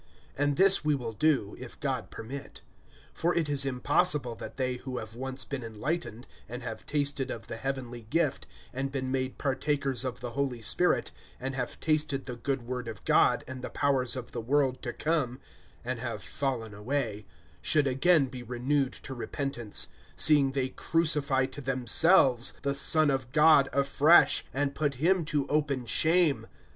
(3)And this we will do[6:3], if God permit. (4)For it is impossible that they who have once been enlightened, and have tasted of the heavenly gift, and been made partakers of the Holy Spirit, (5)and have tasted the good word of God, and the powers of the world to come, (6)and have fallen away, should again be renewed to repentance; seeing they crucify to themselves the Son of God afresh, and put him to open shame.